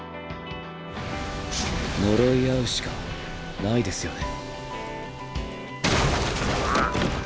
呪い合うしかないですよね。